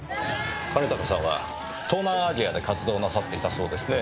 兼高さんは東南アジアで活動なさっていたそうですね。